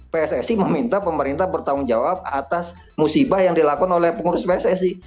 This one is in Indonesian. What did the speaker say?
pssi meminta pemerintah bertanggung jawab atas musibah yang dilakukan oleh pengurus pssi